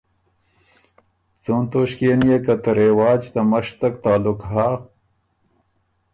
څُون توݭکيې نيې که ته رواج ته مشتک تعلق هۀ،